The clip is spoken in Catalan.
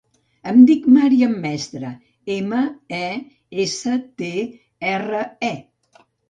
Em dic Màriam Mestre: ema, e, essa, te, erra, e.